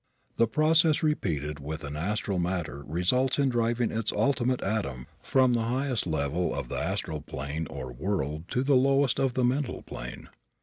The process repeated with astral matter results in driving its ultimate atom from the highest level of the astral plane or world to the lowest of the mental plane.